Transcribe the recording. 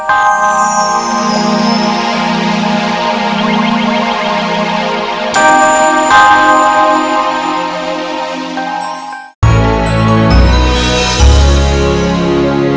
kamu belum paham indonesia